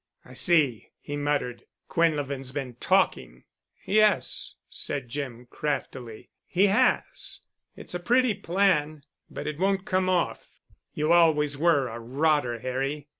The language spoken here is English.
"I see," he muttered, "Quinlevin's been talking." "Yes," said Jim craftily, "he has. It's a pretty plan, but it won't come off. You always were a rotter, Harry.